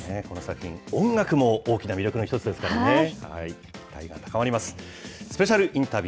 この作品、音楽も大きな魅力の一つですからね。